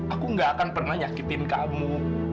aku gak akan pernah nyakitin kamu